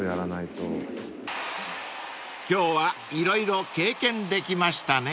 ［今日は色々経験できましたね］